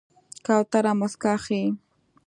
کوتره موسکا ښيي.